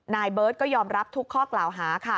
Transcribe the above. นายเบิร์ตก็ยอมรับทุกข้อกล่าวหาค่ะ